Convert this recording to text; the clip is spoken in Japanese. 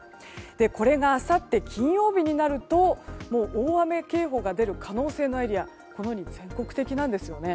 これが、あさって金曜日になると大雨警報が出る可能性のあるエリアが全国的なんですよね。